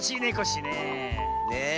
ねえ。